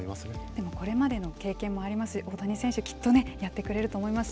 でも、これまでの経験もありますし大谷選手はきっとやってくれると思いますし。